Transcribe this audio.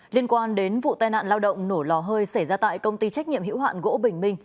liên quan đến vụ tai nạn lao động nổ lò hơi xảy ra tại công ty trách nhiệm hữu hạn gỗ bình minh